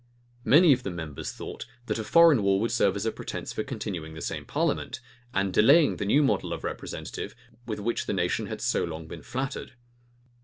Many of the members thought, that a foreign war would serve as a pretence for continuing the same parliament, and delaying the new model of a representative, with which the nation had so long been flattered.